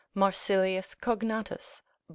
Marcilius Cognatus, lib.